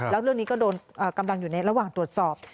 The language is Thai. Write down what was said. แล้วเรือนี้กำลังอยู่ระหว่างตรวจสอบ